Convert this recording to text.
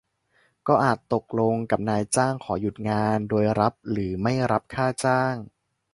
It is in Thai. ก็อาจตกลงกับนายจ้างขอหยุดงานโดยรับหรือไม่รับค่าจ้าง